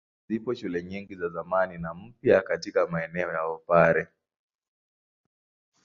Zipo shule nyingi za zamani na mpya katika maeneo ya Wapare.